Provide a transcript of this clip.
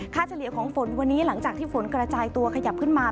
เฉลี่ยของฝนวันนี้หลังจากที่ฝนกระจายตัวขยับขึ้นมา